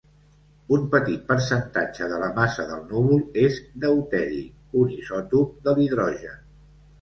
Un petit percentatge de la massa del núvol és deuteri, un isòtop de l'hidrogen.